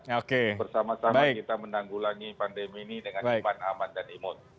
bersama sama kita menanggulangi pandemi ini dengan impan aman dan imun